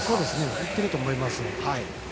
いっていると思います。